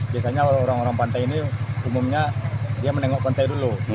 biasanya orang orang pantai ini umumnya dia menengok pantai dulu